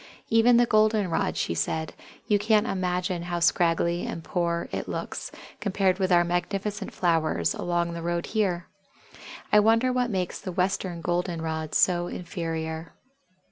"Even the Golden rod," she said; "you can't imagine how scraggly and poor it looks, compared with our magnificent flowers along the road here. I wonder what makes the Western Golden rod so inferior."